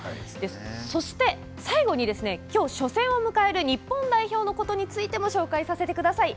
そして、最後にきょう初戦を迎える日本代表のことについても紹介させてください。